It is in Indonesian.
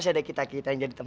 dia kakek aja beneran ke cakep